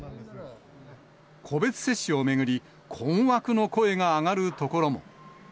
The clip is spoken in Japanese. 個別接種を巡り、困惑の声が上がる所も。